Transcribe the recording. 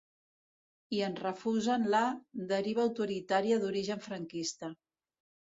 I en refusen la ‘deriva autoritària d’origen franquista’.